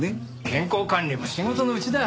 健康管理も仕事のうちだ。